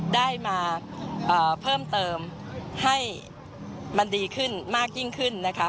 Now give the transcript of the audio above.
ได้มาเพิ่มเติมให้มันดีขึ้นมากยิ่งขึ้นนะคะ